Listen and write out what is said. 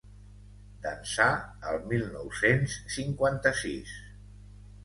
d'ençà el mil nou-cents cinquanta-sis